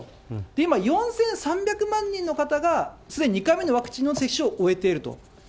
今、４３００万人の方がすでに２回目のワクチンの接種を終えていると。